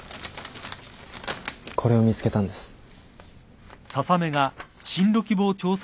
これを見つけたんです。